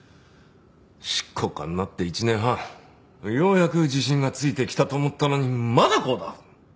執行官になって１年半ようやく自信がついてきたと思ったのにまだこうだ。